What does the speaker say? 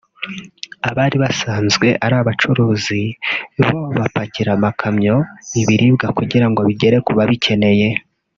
abari basanzwe ari abacuruzi bo bapakira amakamyo ibiribwa kugira ngo bigere ku babikeneye